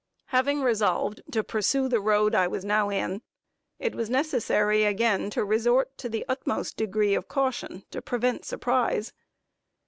Having resolved to pursue the road I was now in, it was necessary again to resort to the utmost degree of caution to prevent surprise.